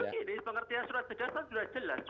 jadi pengertian surat cegah itu sudah jelas